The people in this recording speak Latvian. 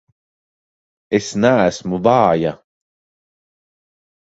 Es neesmu vāja!